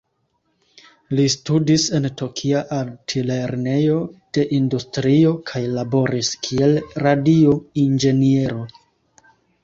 Li studis en Tokia altlernejo de industrio, kaj laboris kiel radio-inĝeniero.